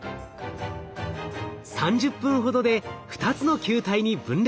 ３０分ほどで２つの球体に分裂。